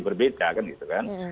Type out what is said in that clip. berbeda kan gitu kan